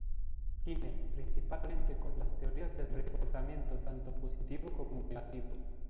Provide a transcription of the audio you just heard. Skinner, principalmente con las teorías del reforzamiento tanto positivo como negativo.